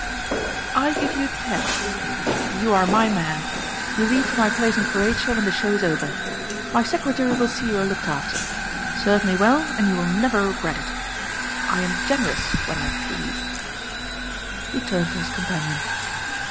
"I give you ten. You are my man. You leave for my place in Croatia when the show is over. My secretary will see you are looked after. Serve me well and you will never regret it. I am generous, when I am pleased." He turned to his companion.